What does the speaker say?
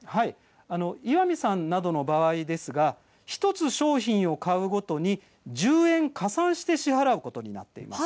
岩見さんなどの場合ですが１つ商品を買うごとに１０円加算して支払うことになっています。